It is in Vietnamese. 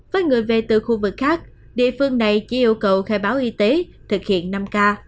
với người về từ khu vực khác địa phương này chỉ yêu cầu khai báo y tế thực hiện năm k